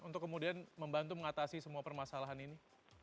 untuk kemudian membantu mengatasi semua permasalahan ini